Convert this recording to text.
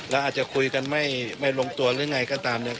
แล้วอาจจะคุยกันไม่ลงตัวหรือไงก็ตามเนี่ย